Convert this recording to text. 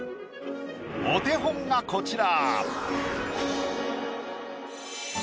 お手本がこちら。